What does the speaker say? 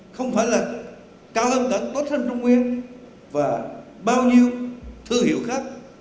không phải là cao hơn cả tốt hơn trung nguyên và bao nhiêu thương hiệu khác